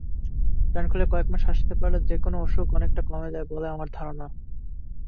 প্রাণখুলে কয়েক বার হাসতে পারলে যে-কোনো অসুখ অনেকটা কমে যায় বলে আমার ধারণা।